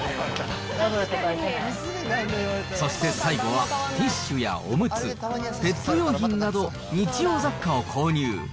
そして最後はティッシュやおむつ、ペット用品など、日用雑貨を購入。